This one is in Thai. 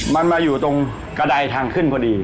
มันมาอยู่ตรงกระดายทางขึ้นพอดี